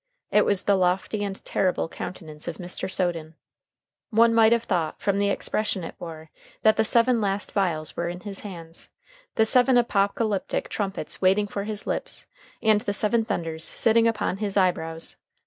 It was the lofty and terrible countenance of Mr. Soden. One might have thought, from the expression it wore, that the seven last vials were in his hands, the seven apocalyptic trumpets waiting for his lips, and the seven thunders sitting upon his eyebrows.